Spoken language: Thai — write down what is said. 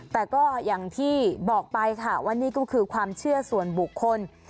แต่ก็อย่างที่บอกไปค่ะว่านี่ก็คือความเชื่อส่วนบุคคล